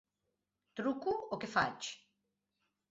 Truco o què faig?